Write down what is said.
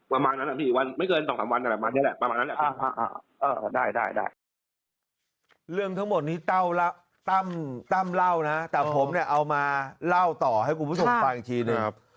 ประมาณนั้นได้เรื่องทั้งหมดนี้เต้าแล้วตั้มเล่านะแต่ผมเนี่ยเอามาเล่าต่อให้กูผู้ชมฟังอีกทีหนึ่ง